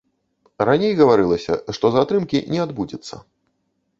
Раней гаварылася, што затрымкі не адбудзецца.